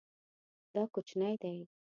دا کوچنی دی